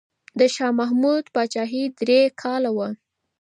د شاه محمود پاچاهي درې کاله وه.